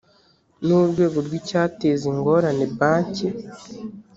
n urwego rw icyateza ingorane banki